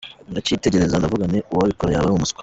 ndacyitegereza, ndavuga nti uwabikora yaba ari umuswa.